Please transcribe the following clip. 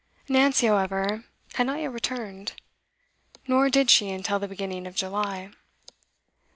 Nancy, however, had not yet returned; nor did she until the beginning of July.